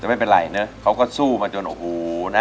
แต่ไม่เป็นไรนะเขาก็สู้มาจนโอ้โหนะ